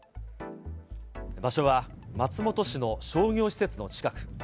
場所は松本市の商業施設の近く。